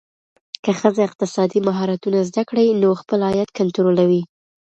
که ښځه اقتصادي مهارتونه زده کړي، نو خپل عاید کنټرولوي.